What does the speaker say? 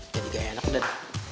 jadi enak den